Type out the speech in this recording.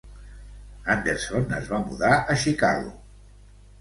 Anderson es va mudar a Chicago.